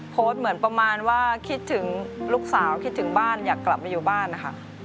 เหมือนประมาณว่าคิดถึงลูกสาวคิดถึงบ้านอยากกลับมาอยู่บ้านนะคะ